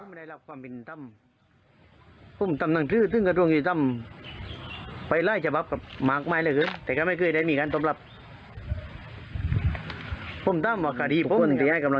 สู้ต่อไปลาปุ่มไม่ได้รับความผิดทำการดิมนี่มาพรุ่งมาได้หรอเลยนะครับ